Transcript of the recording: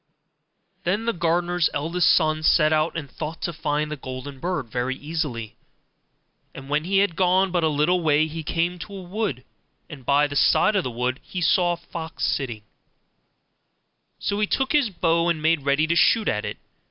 Then the gardener's eldest son set out and thought to find the golden bird very easily; and when he had gone but a little way, he came to a wood, and by the side of the wood he saw a fox sitting; so he took his bow and made ready to shoot at it.